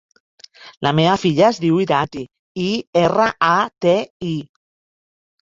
La meva filla es diu Irati: i, erra, a, te, i.